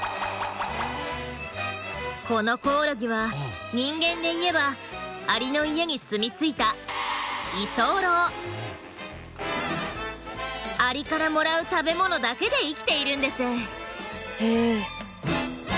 このコオロギは人間でいえばアリの家に住み着いたアリからもらう食べ物だけで生きているんです。